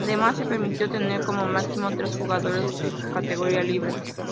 Además, se permitió tener como máximo tres jugadores de categoría libre.